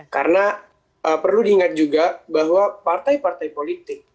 karena perlu diingat juga bahwa partai partai politik